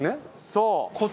そう。